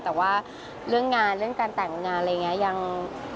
แต่ว่าเรื่องงานเรื่องการแต่งงานอะไรอย่างนี้